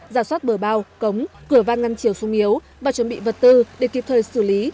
giả soát bờ bao cống cửa van ngăn chiều sung yếu và chuẩn bị vật tư để kịp thời xử lý